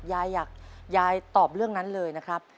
ยายอยากยายตอบเรื่องนั้นเลยนะครับ